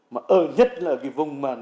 mà ơ nhất là cái vùng mà nó